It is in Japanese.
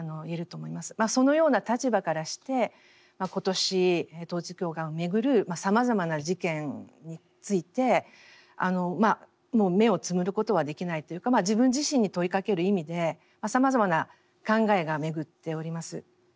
そのような立場からして今年統一教会をめぐるさまざまな事件についてもう目をつむることはできないというか自分自身に問いかける意味でさまざまな考えが巡っております。